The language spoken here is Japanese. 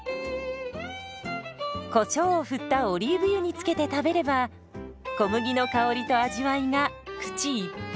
こしょうを振ったオリーブ油につけて食べれば小麦の香りと味わいが口いっぱい！